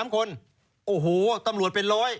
๓คนโอ้โหตำรวจเป็นร้อย